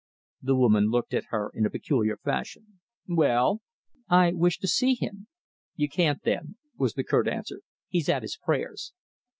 The woman looked at her in a peculiar fashion. "Well?" "I wish to see him." "You can't, then," was the curt answer. "He's at his prayers."